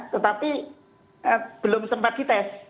tetapi belum sempat dites